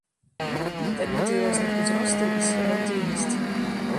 Гэта людзі розных узростаў і сфераў дзейнасці.